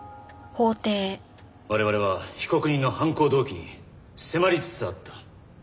我々は被告人の犯行動機に迫りつつあった。